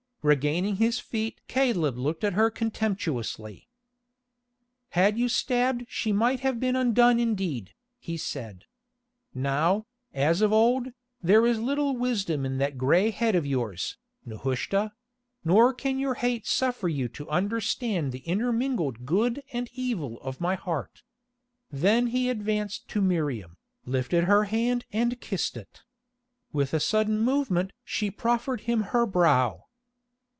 Regaining his feet Caleb looked at her contemptuously. "Had you stabbed she might have been undone indeed," he said. "Now, as of old, there is little wisdom in that gray head of yours, Nehushta; nor can your hate suffer you to understand the intermingled good and evil of my heart." Then he advanced to Miriam, lifted her hand and kissed it. With a sudden movement she proffered him her brow.